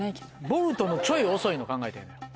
ボルトのちょい遅いの考えて。